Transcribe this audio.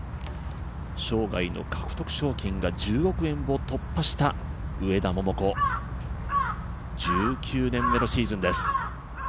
生涯の獲得賞金が１０億円を突破した上田桃子、１９年目のシーズンです。